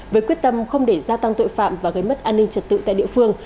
với quyết tâm không để gia tăng tội phạm và gây mất an ninh trật tự tại địa phương